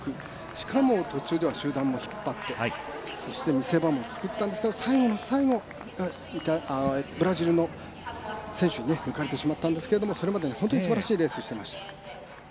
しかも、途中では集団も引っ張ってそして見せ場も作ったんですけど最後の最後ブラジルの選手に抜かれてしまったんですけどもそれまで本当にすばらしいレースをしていました。